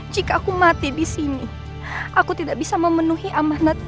jika aku mati di sini aku tidak bisa memenuhi amanatmu